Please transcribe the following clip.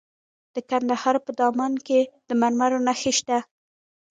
د کندهار په دامان کې د مرمرو نښې شته.